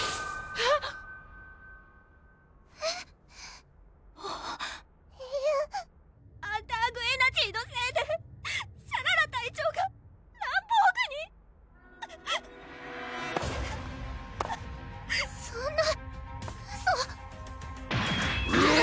えっ⁉えっえるアンダーグ・エナジーのせいでシャララ隊長がランボーグにウゥウッそんなウソラン！